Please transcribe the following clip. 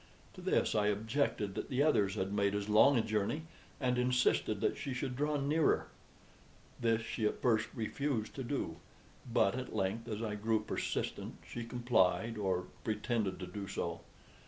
To this I objected that the others had made as long a journey, and insisted that she should draw nearer. This she at first refused to do; but at length, as I grew persistent, she complied, or pretended to do so.